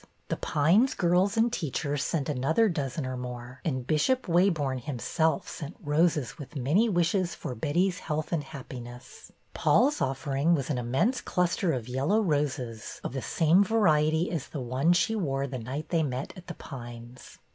The Pines girls and teach 3i8 BETTY BAIRD'S VENTURES ers sent another dozen or more, and Bishop Waborne himself sent roses with many wishes for Betty's health and happiness. Paul's offering was an immense cluster of yellow roses of the same variety as the one she wore the night they met at The Pines.